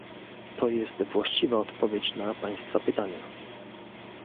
To jest właściwa odpowiedź na państwa pytania